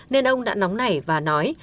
nên ông đã nóng nảy và nói